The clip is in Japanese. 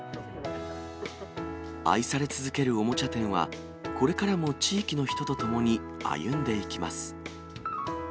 愛され続けるおもちゃ店は、これからも地域の人と共に歩んでいきます。